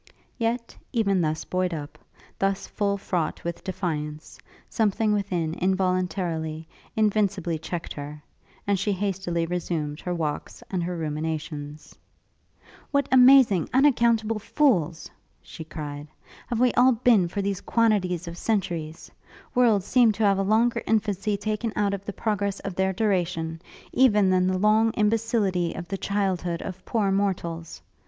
Yet, even thus buoyed up, thus full fraught with defiance, something within involuntarily, invincibly checked her, and she hastily resumed her walks and her ruminations. 'What amazing, unaccountable fools,' she cried, 'have we all been for these quantities of centuries! Worlds seem to have a longer infancy taken out of the progress of their duration, even than the long imbecility of the childhood of poor mortals.